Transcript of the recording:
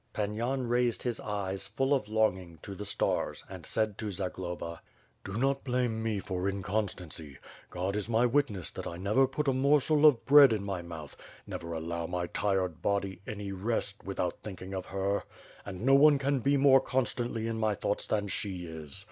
Pan Yan raised his eyes, full of longing, to the stars; and said to Zagloba: "Do not blame me for inconstancy. God is my witness that I never put a morsel of bread in my mouth, never allow my tired body any rest, without thinking of her; and no one can be more constantly in my thoughts than she is.